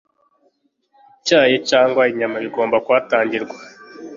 icyayi cyangwa inyama bigomba kuhatangirwa